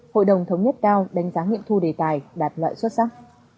hội đồng thống nhất cao đánh giá nghiệm thu đề tài đạt loại xuất sắc